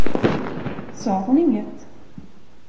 Sa hon inget?